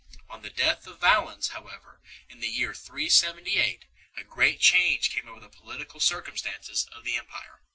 On the death of Valens, however, in the year 378, a great change came over the political circumstances of the empire.